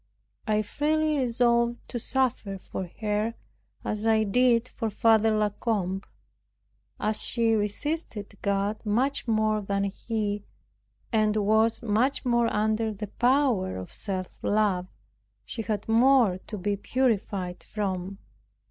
I freely resolved to suffer for her, as I did for Father La Combe. As she resisted God much more than he, and was much more under the power of self love, she had more to be purified from.